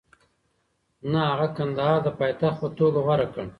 نه، هغه کندهار د پایتخت په توګه غوره کړ.